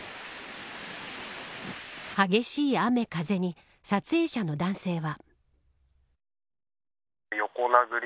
激しい雨風に撮影者の男性は。